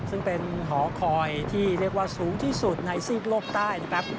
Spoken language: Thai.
ซึ่งเป็นหอคอยที่เรียกว่าสูงที่สุดในซีกโลกใต้นะครับ